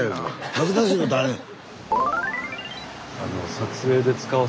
恥ずかしいことあれへん。